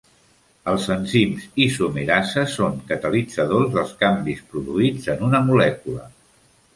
Els enzims isomerasa són catalitzadors dels canvis produïts en una molècula.